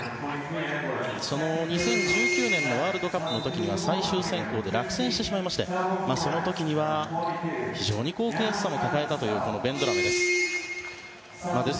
２０１９年のワールドカップの時には最終選考で落選してしまいましてその時には非常に悔しさも抱えたというベンドラメです。